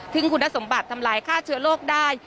ถึงคุณสมบัติทำลายฆ่าเชื้อโรคได้